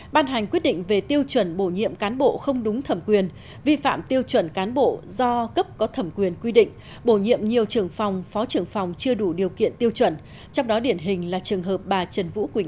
ban hành quyết định về tiêu chuẩn bổ nhiệm cán bộ không đúng thẩm quyền vi phạm tiêu chuẩn cán bộ do cấp có thẩm quyền quy định bổ nhiệm nhiều trưởng phòng phó trưởng phòng chưa đủ điều kiện tiêu chuẩn trong đó điển hình là trường hợp bà trần vũ quỳnh